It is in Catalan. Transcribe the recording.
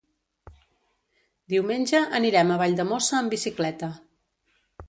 Diumenge anirem a Valldemossa amb bicicleta.